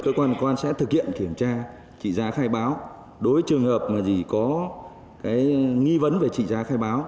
cơ quan quan sát thực hiện kiểm tra trị giá khai báo đối với trường hợp mà gì có cái nghi vấn về trị giá khai báo